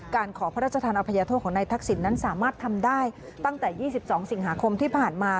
ขอพระราชทานอภัยโทษของนายทักษิณนั้นสามารถทำได้ตั้งแต่๒๒สิงหาคมที่ผ่านมา